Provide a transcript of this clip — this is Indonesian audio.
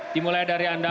dimulai dari anda